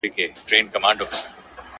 چي راضي راڅخه روح د خوشحال خان سي!